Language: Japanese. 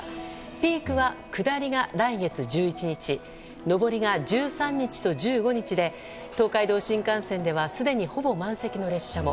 ピークは下りが来月１１日上りが１３日と１５日で東海道新幹線ではすでにほぼ満席の列車も。